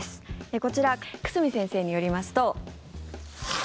こちら久住先生によりますと。